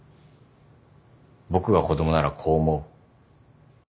僕が子供ならこう思う。